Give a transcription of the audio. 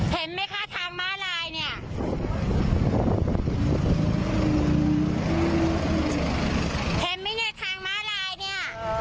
เห็นไหมคะทางม้าลายเนี่ยเห็นไหมเนี่ยทางม้าลายเนี่ย